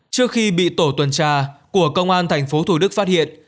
trước khi bị tổ tuần tra của công an tp thủ đức phát hiện